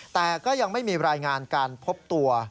แต่ก็ยังไม่มีรายงานการพบตัว